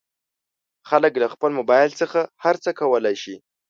خلک له خپل مبایل څخه هر څه کولی شي.